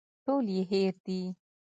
ټول يې هېر دي.